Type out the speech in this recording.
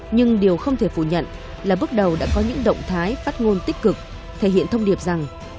nhưng điều không thể phủ nhận là bước đầu đã có những động thái phát ngôn tích cực thể hiện thông điệp rằng